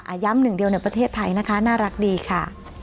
ย้ำหนึ่งเดียวในประเทศไทยนะคะน่ารักดีค่ะ